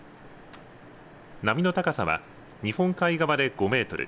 波の高さは日本海側で５メートル